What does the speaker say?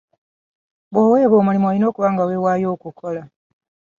Bw'owebwa omulimu olina okuba nga wewaayo okukola.